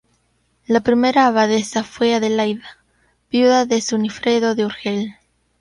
La primera abadesa fue Adelaida, viuda de Sunifredo de Urgel.